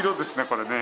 これね。